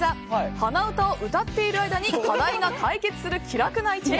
鼻歌を歌っている間に課題が解決する気楽な１年。